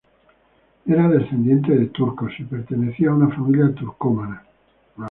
Era descendiente de turcos y pertenecía a una fam̪ilia turcomana.